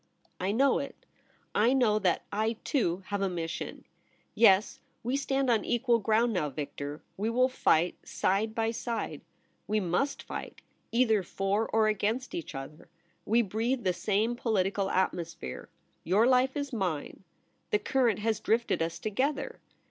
' I know it. I know that I, too, have a mission. Yes, we stand on equal ground now, Victor. We will fight side by side. We mus^ fight — either for or against each other. We breathe the same political atmosphere. Your life is mine. The current has drifted us together.